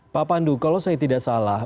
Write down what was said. pak pandu kalau saya tidak salah